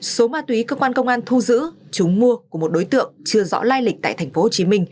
số ma túy cơ quan công an thu giữ chúng mua của một đối tượng chưa rõ lai lịch tại tp hcm